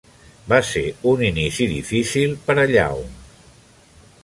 Va ser un inici difícil per a Young.